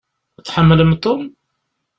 Tḥemmlem Tom?